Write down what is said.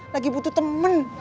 lagi butuh temen